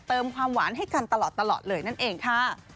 ความหวานให้กันตลอดเลยนั่นเองค่ะ